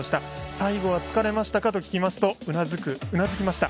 最後は疲れましたかと聞きますとうなずきました。